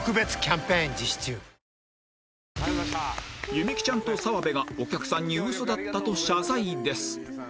弓木ちゃんと澤部がお客さんに嘘だったと謝罪です